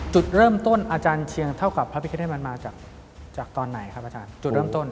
จุดเริ่มต้นอาจารย์เชียงเท่ากับพระพิเครติมันมาจากตอนไหนครับอาจารย์